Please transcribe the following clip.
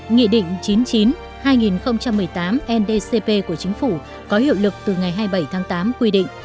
nghị định chín mươi chín hai nghìn một mươi tám ndcp của chính phủ có hiệu lực từ ngày hai mươi bảy tháng tám quy định